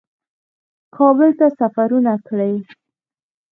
کابل ته سفرونه کړي